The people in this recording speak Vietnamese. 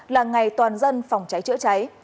là ngày toàn dân phòng cháy chữa cháy